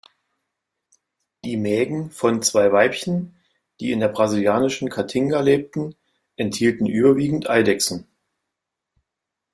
Die Mägen von zwei Weibchen, die in der brasilianischen Caatinga lebten, enthielten überwiegend Eidechsen.